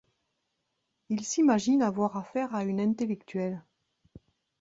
Il s’imagine avoir affaire à une intellectuelle.